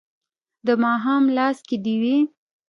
د ماښام لاس کې ډیوې